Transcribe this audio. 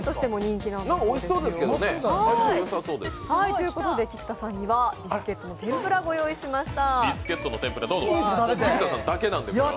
相性よさそうです。ということで菊田さんにはビスケットの天ぷら、ご用意しました。